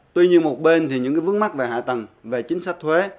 tuy nhiên một bên thì những vướng mắt về hạ tầng về chính sách thuế